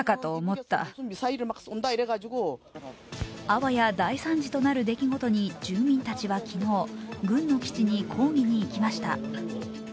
あわや大惨事となる出来事に住民たちは昨日軍の基地に抗議に行きました。